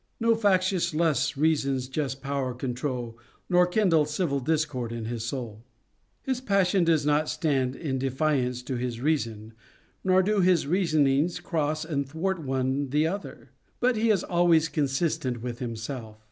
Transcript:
No factious lusts reason's just power control, Nor kindle civil discord in his soul. His passion does not stand in defiance to his reason, nor do his reasonings cross and thwart one the other, but he is always consistent with himself.